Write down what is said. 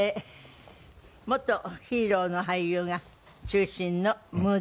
元ヒーローの俳優が中心のムード